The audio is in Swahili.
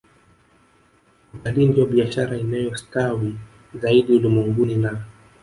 Utalii ndiyo biashara inayostawi zaidi ulimwenguni na